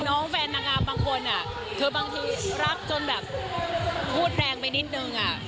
แฟนนางงามบางคนเธอบางทีรักจนแบบพูดแรงไปนิดนึง